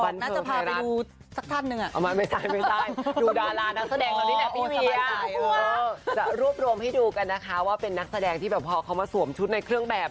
และรวบรวมให้ดูนะคะว่าเป็นนักแสดงที่ป๋อเขามาสวมชุดในเครื่องแบบ